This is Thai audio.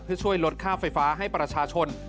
เพื่อช่วยลดค่าไฟฟ้าให้ประชาชน